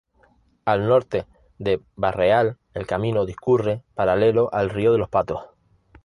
Al norte de Barreal el camino discurre paralelo al Río de los Patos.